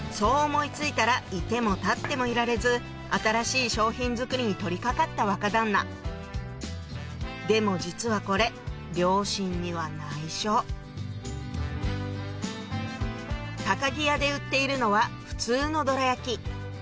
思い付いたら居ても立ってもいられず新しい商品作りに取り掛かった若旦那でも実はこれ両親には内緒木屋で売っているのは普通のどら焼き